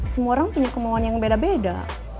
semua orang punya kemauan yang beda beda